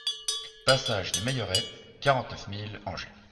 PASSAGE DES MEILLERAIES, quarante-neuf mille Angers